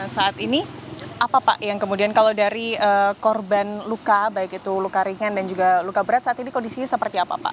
saat ini apa pak yang kemudian kalau dari korban luka baik itu luka ringan dan juga luka berat saat ini kondisinya seperti apa pak